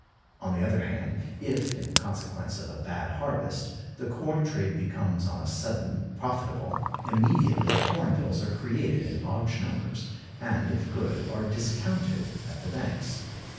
On the other hand, if, in consequence of a bad harvest, the corn trade becomes on a sudden profitable, immediately 'corn bills' are created in large numbers, and, if good, are discounted [at the banks].